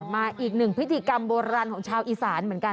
มาอีกหนึ่งพิธีกรรมโบราณของชาวอีสานเหมือนกัน